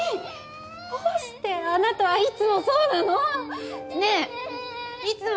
どうしてあなたはいつもそうなの！ねえいつも言ってるよね！